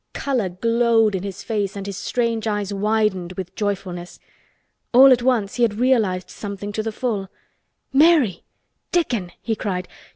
Color glowed in his face and his strange eyes widened with joyfulness. All at once he had realized something to the full. "Mary! Dickon!" he cried.